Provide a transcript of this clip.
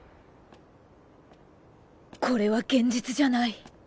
これは現実じゃない。